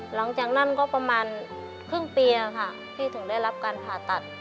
หลังจากนั้นก็ประมาณครึ่งปีค่ะพี่ถึงได้รับการผ่าตัด